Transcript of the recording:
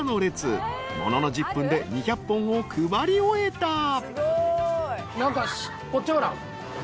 ［ものの１０分で２００本を配り終えた］